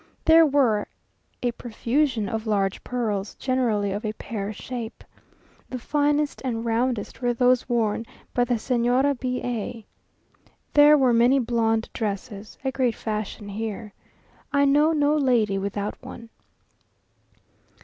There were a profusion of large pearls, generally of a pear shape. The finest and roundest were those worn by the Señora B a. There were many blonde dresses, a great fashion here. I know no lady without one.